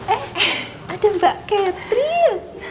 eh ada mbak catherine